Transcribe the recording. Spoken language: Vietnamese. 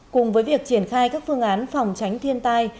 cùng với việc triển khai các phương án phòng tránh thiên tai